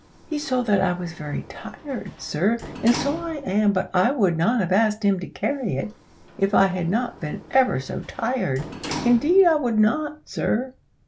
He saw that I was very tired, sir and so I am, but I would not have asked him to carry it, if I had been ever so tired indeed I would not, sir."